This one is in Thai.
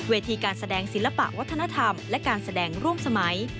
ทีการแสดงศิลปะวัฒนธรรมและการแสดงร่วมสมัย